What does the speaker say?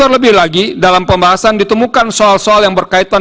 terlebih lagi dalam pembahasan ditemukan soal soal yang berkaitan